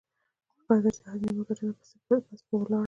پکار ده چې هره نيمه ګنټه پس پۀ ولاړه